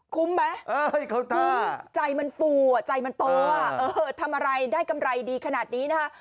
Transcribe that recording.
คุ้มไหมใจมันฟูอ่ะใจมันโตทำอะไรได้กำไรดีขนาดนี้นะคะ